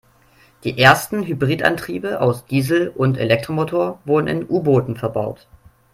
Die ersten Hybridantriebe aus Diesel- und Elektromotor wurden in U-Booten verbaut.